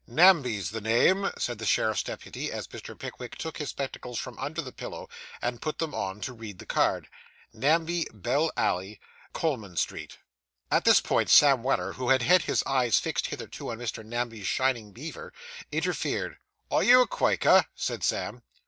'Namby's the name,' said the sheriff's deputy, as Mr. Pickwick took his spectacles from under the pillow, and put them on, to read the card. 'Namby, Bell Alley, Coleman Street.' At this point, Sam Weller, who had had his eyes fixed hitherto on Mr. Namby's shining beaver, interfered. 'Are you a Quaker?' said Sam.